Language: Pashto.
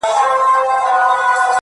مه کوه گمان د ليوني گلي ~